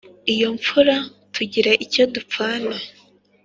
Iyo mfura tugira icyo dupfana